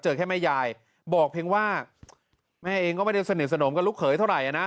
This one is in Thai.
แค่แม่ยายบอกเพียงว่าแม่เองก็ไม่ได้สนิทสนมกับลูกเขยเท่าไหร่นะ